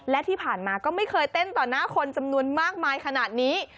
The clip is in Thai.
และที่ผ่านมาก็ไม่เคยเต้นต่อหน้าคนจำนวนมากมายขนาดนี้